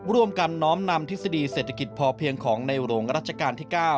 ร่วมกันน้อมนำทฤษฎีเศรษฐกิจพอเพียงของในหลวงรัชกาลที่๙